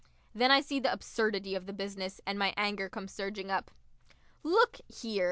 Then I see the absurdity of the business, and my anger comes surging up. "Look here!"